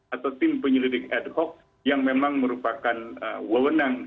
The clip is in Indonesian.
atau tim penyelidik ad hoc yang memang merupakan wewenang